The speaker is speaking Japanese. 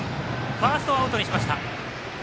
ファーストはアウトにしました。